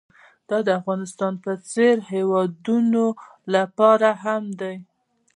دا د افغانستان په څېر هېوادونو لپاره هم دی.